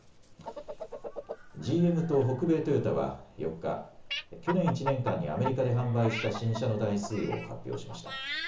ＧＭと北米トヨタは４日、去年１年間にアメリカで販売した新車の台数を発表しました。